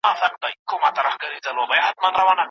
موږ همدا اوس د زړې وینا څېړنه کوو.